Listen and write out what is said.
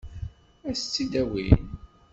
Ad s-tt-id-awin?